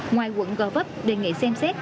ngoài quận gò vấp đề nghị xem xét